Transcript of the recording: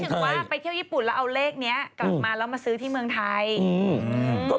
สำหรับว่าไปเที่ยวญี่ปุ่นเอาเลขนี้กลับมาซื้อที่เมืองไทย